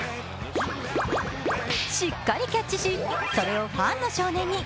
しっかりキャッチしそれをファンの少年に。